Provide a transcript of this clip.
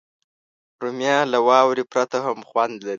رومیان له واورې پرته هم خوند لري